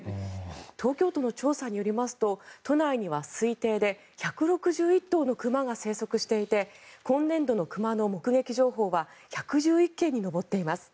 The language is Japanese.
東京都の調査によりますと都内には推定で１６１頭の熊が生息していて今年度の熊の目撃情報は１１１件に上っています。